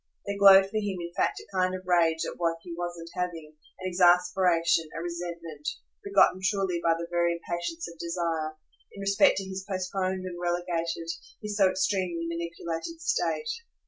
There glowed for him in fact a kind of rage at what he wasn't having; an exasperation, a resentment, begotten truly by the very impatience of desire, in respect to his postponed and relegated, his so extremely manipulated state.